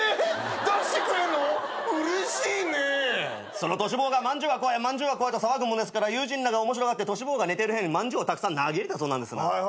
そのトシ坊が「まんじゅうは怖い」と騒ぐもんですから友人らが面白がってトシ坊が寝てる部屋にまんじゅうをたくさん投げ入れたそうなんです。